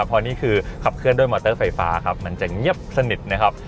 เพราะนี่คือขับเคลื่อนด้วยมอเตอร์ไฟฟ้าครับมันจะเงียบสนิทนะครับ